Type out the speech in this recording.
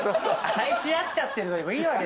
愛し合っちゃってるでもいいわけ。